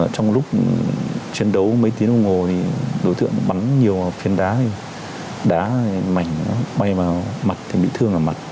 trong lúc chiến đấu mấy tiếng ô ngồ thì đối tượng bắn nhiều phiên đá đá mảnh bay vào mặt thì bị thương vào mặt